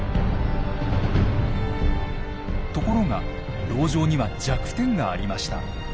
ところが籠城には弱点がありました。